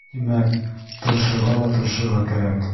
Тимәк, тырышырға ла тырышырға кәрәк.